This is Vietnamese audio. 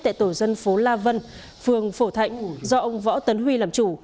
tại tổ dân phố la vân phường phổ thạnh do ông võ tấn huy làm chủ